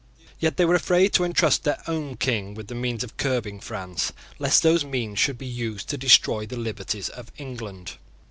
Yet they were afraid to entrust their own King with the means of curbing France, lest those means should be used to destroy the liberties of England.